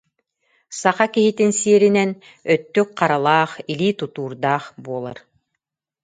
Саха киһитин сиэринэн өттүк харалаах, илии тутуурдаах буолар